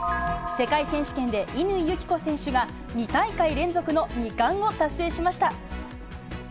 世界選手権で乾友紀子選手が２大会連続の２冠を達成しました。